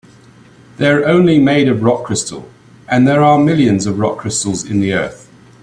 They're only made of rock crystal, and there are millions of rock crystals in the earth.